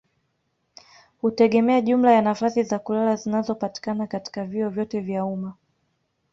hutegemea jumla ya nafasi za kulala zinazopatikana katika vyuo vyote vya umma.